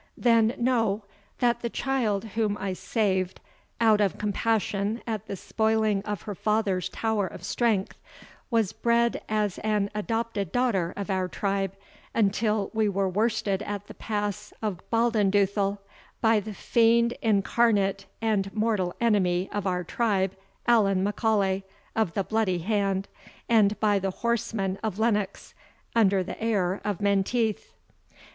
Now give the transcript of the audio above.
"Then know, that the child whom I saved our of compassion at the spoiling of her father's tower of strength, was bred as an adopted daughter of our tribe, until we were worsted at the pass of Ballenduthil, by the fiend incarnate and mortal enemy of our tribe, Allan M'Aulay of the Bloody hand, and by the horsemen of Lennox, under the heir of Menteith."